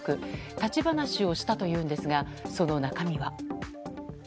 立ち話をしたというんですがその中身は。